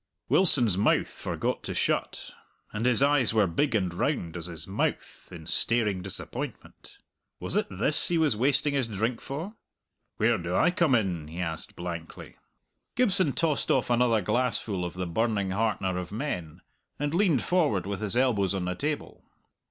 Wilson's mouth forgot to shut, and his eyes were big and round as his mouth in staring disappointment. Was it this he was wasting his drink for? "Where do I come in?" he asked blankly. Gibson tossed off another glassful of the burning heartener of men, and leaned forward with his elbows on the table.